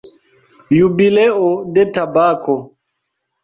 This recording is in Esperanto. Jubileo de tabako.